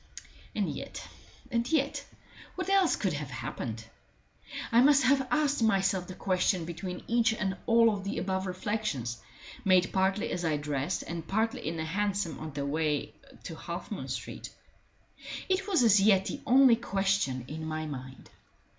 And yet and yet what else could have happened? I must have asked myself the question between each and all of the above reflections, made partly as I dressed and partly in the hansom on the way to Half moon Street. It was as yet the only question in my mind.